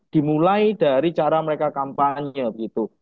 dimulai dari cara mereka kampanye begitu